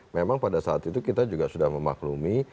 memang pada saat itu kita juga sudah memaklumi